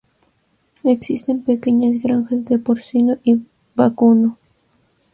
Existen pequeñas granjas de porcino y vacuno.